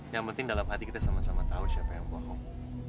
yang penting dalam hati kita sama sama tahu siapa yang bohong